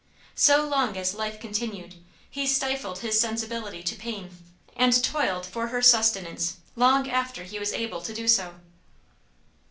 So long as life continued, he stifled his sensibility to pain, and toiled for her sustenance long after he was able to do so.